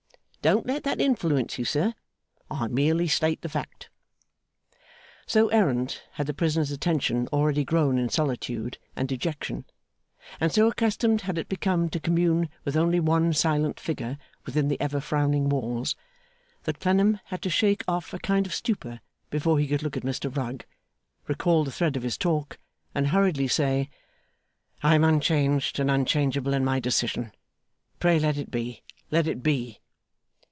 Don't let that influence you, sir. I merely state the fact.' So errant had the prisoner's attention already grown in solitude and dejection, and so accustomed had it become to commune with only one silent figure within the ever frowning walls, that Clennam had to shake off a kind of stupor before he could look at Mr Rugg, recall the thread of his talk, and hurriedly say, 'I am unchanged, and unchangeable, in my decision. Pray, let it be; let it be!